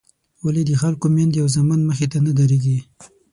ولې د خلکو میندې او زامن مخې ته نه درېږي.